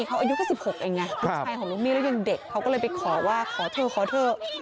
ลูกชายของลูกหนี้เขาอายุ๙๖อย่างนี้